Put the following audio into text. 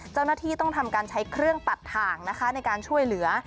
เจ้าหน้าที่ต้องทำการใช้เครื่องตัดถ่างนะคะในการช่วยเหลือ